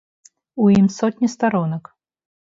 У ім сотні старонак.